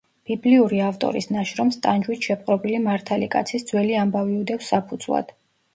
ბიბლიური ავტორის ნაშრომს ტანჯვით შეპყრობილი მართალი კაცის ძველი ამბავი უდევს საფუძვლად.